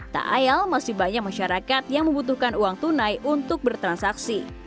tak ayal masih banyak masyarakat yang membutuhkan uang tunai untuk bertransaksi